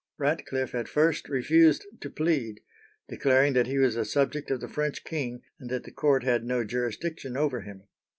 Ratcliffe at first refused to plead, declaring that he was a subject of the French king, and that the court had no jurisdiction over him.